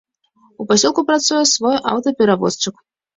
У пасёлку працуе свой аўтаперавозчык.